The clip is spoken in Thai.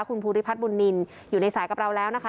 คุณภูริพัฒน์บุญนินอยู่ในสายกับเราแล้วนะคะ